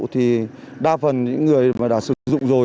thì đa phần những người mà đã sử dụng rồi